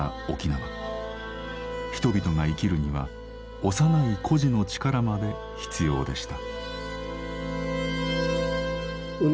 人々が生きるには幼い孤児の力まで必要でした。